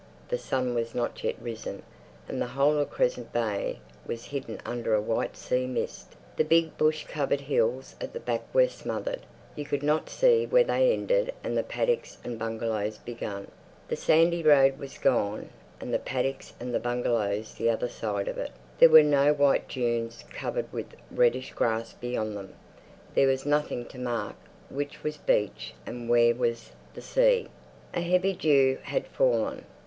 The sun was not yet risen, and the whole of Crescent Bay was hidden under a white sea mist. The big bush covered hills at the back were smothered. You could not see where they ended and the paddocks and bungalows began. The sandy road was gone and the paddocks and bungalows the other side of it; there were no white dunes covered with reddish grass beyond them; there was nothing to mark which was beach and where was the sea. A heavy dew had fallen.